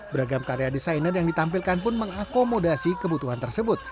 beragam karya desainer yang ditampilkan pun mengakomodasi kebutuhan tersebut